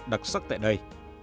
đặc sắc tại đây